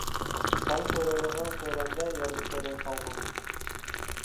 كالا سۆرەيدىغان سۆرەمدە يەرگە سۆرەم سالغان.